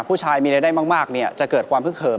ผู้ชายมีรายได้มากจะเกิดความพึกเหิม